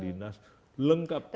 dinas lengkap semua